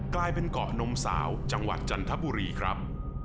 กลายเป็นเกาะนมสาวจังหวัดจันทบุรีครับ